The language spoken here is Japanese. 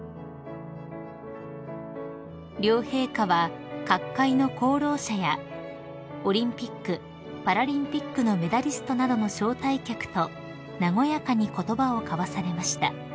［両陛下は各界の功労者やオリンピック・パラリンピックのメダリストなどの招待客と和やかに言葉を交わされました］